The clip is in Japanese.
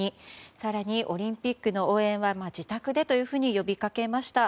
更に、オリンピックの応援は自宅でと呼びかけました。